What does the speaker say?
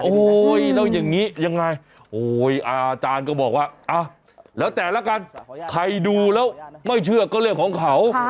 โอ้โหแล้วอย่างนี้ยังไงโอ้ยอาจารย์ก็บอกว่าแล้วแต่ละกันใครดูแล้วไม่เชื่อก็เรื่องของเขา